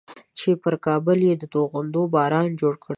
چې پر کابل یې د توغندیو باران جوړ کړی و.